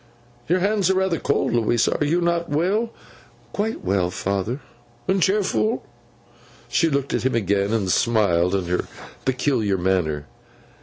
'Your hands are rather cold, Louisa. Are you not well?' 'Quite well, father.' 'And cheerful?' She looked at him again, and smiled in her peculiar manner.